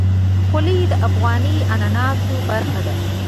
خولۍ د افغاني عنعناتو برخه ده.